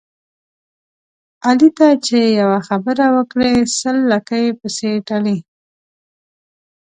علي ته چې یوه خبره وکړې سل لکۍ پسې تړي.